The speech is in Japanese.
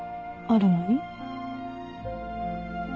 あるのに？